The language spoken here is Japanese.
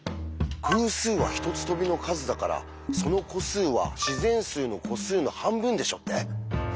「偶数は１つ飛びの数だからその個数は自然数の個数の半分でしょ」って？